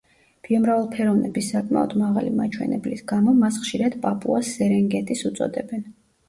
ბიომრავალფეროვნების საკმაოდ მაღალი მაჩვენებლის გამო, მას ხშირად „პაპუას სერენგეტის“ უწოდებენ.